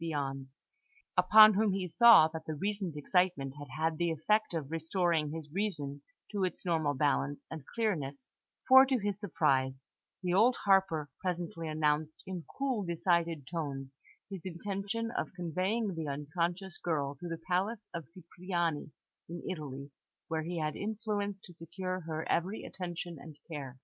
Here he was quickly joined by Lothario, upon whom he saw that the recent excitement had had the effect of restoring his reason to its normal balance and clearness, for, to his surprise, the old harper presently announced in cool, decided tones his intention of conveying the unconscious girl to the palace of Cipriani in Italy, where he had influence to secure her every attention and care.